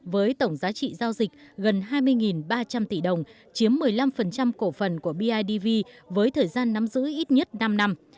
với tổng giá trị giao dịch gần hai mươi ba trăm linh tỷ đồng chiếm một mươi năm cổ phần của bidv với thời gian nắm giữ ít nhất năm năm